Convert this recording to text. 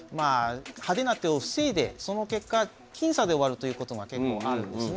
派手な手を防いでその結果僅差で終わるということが結構あるんですね。